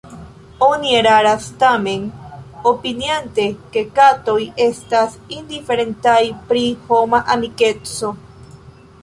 Oni eraras tamen opiniante, ke katoj estas indiferentaj pri homa amikeco.